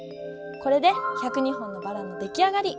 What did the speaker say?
これで１０２本のバラのできあがり！